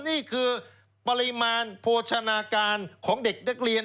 นี่คือปริมาณโภชนาการของเด็กนักเรียน